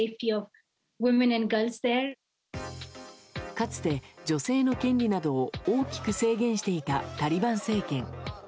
かつて女性の権利などを大きく制限していたタリバン政権。